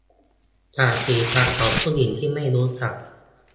จากศีรษะของผู้หญิงที่ไม่รู้จัก